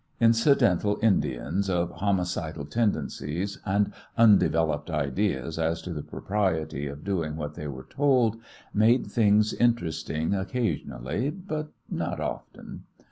Incidental Indians, of homicidal tendencies and undeveloped ideas as to the propriety of doing what they were told, made things interesting occasionally, but not often.